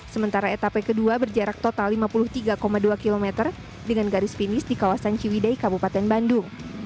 sementara etape kedua berjarak total lima puluh tiga dua km dengan garis finish di kawasan ciwidei kabupaten bandung